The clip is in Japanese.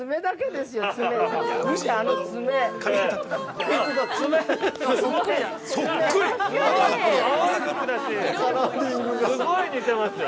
すごい似てますよ。